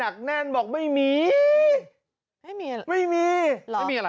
พระอาจารย์ออสบอกว่าอาการของคุณแป๋วผู้เสียหายคนนี้อาจจะเกิดจากหลายสิ่งประกอบกัน